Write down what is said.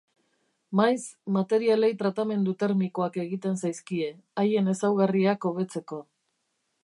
Maiz, materialei tratamendu termikoak egiten zaizkie, haien ezaugarriak hobetzeko.